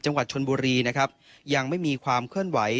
จังหวัดชนบุรีนะครับยังไม่มีความเคลื่อนไหว